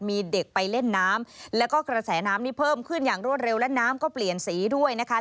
มีเด็กไปเล่นน้ำแล้วก็กระแสน้ำนี่เพิ่มขึ้นอย่างรวดเร็วและน้ำก็เปลี่ยนสีด้วยนะคะ